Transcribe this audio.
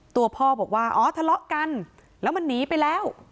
ตัวพ่อบอกว่าอ๋อทะเลาะกันแล้วมันหนีไปแล้ว